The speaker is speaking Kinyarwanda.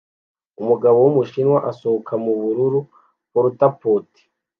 Umugabo wumushinwa asohoka mubururu porta potty